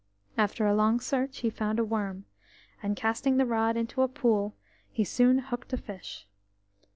After a long search he found a worm, and casting the rod into a pool, he soon hooked a fish.